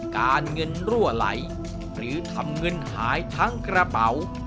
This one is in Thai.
การเงินรั่วไหลหรือทำเงินหายทั้งกระเป๋า